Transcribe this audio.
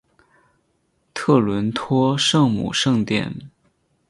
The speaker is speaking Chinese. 特伦托圣母圣殿。